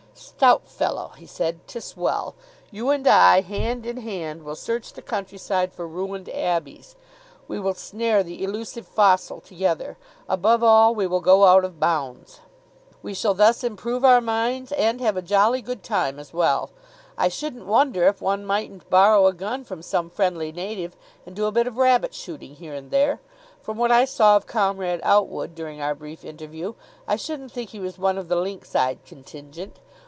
"Stout fellow," he said. "'Tis well. You and I, hand in hand, will search the countryside for ruined abbeys. We will snare the elusive fossil together. Above all, we will go out of bounds. We shall thus improve our minds, and have a jolly good time as well. I shouldn't wonder if one mightn't borrow a gun from some friendly native, and do a bit of rabbit shooting here and there. From what I saw of Comrade Outwood during our brief interview, I shouldn't think he was one of the lynx eyed contingent.